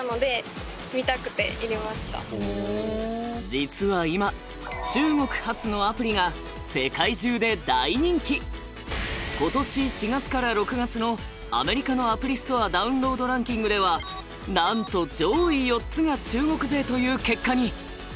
実は今今年４月から６月のアメリカのアプリストアダウンロードランキングではなんと上位４つが中国勢という結果に。